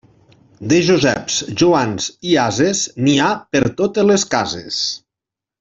De Joseps, Joans i ases, n'hi ha per totes les cases.